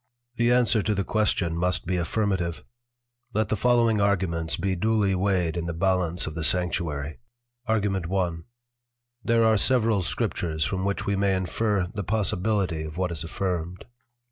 _ The Answer to the Question must be Affirmative; Let the following Arguments be duely weighed in the Ballance of the Sanctuary. Argu. 1. There are several Scriptures from which we may infer the Possibility of what is Affirmed.